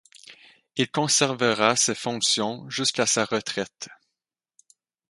Il conservera ces fonctions jusqu'à sa retraite.